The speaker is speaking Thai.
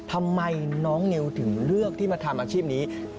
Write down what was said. ทำไมน้องนิวถึงเลือกที่มาทำอาชีพนี้